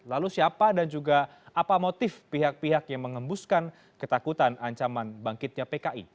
lalu siapa dan juga apa motif pihak pihak yang mengembuskan ketakutan ancaman bangkitnya pki